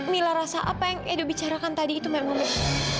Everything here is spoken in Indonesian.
mila rasa apa yang edo bicarakan tadi itu memang